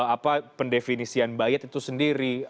apa pendefinisian bayat itu sendiri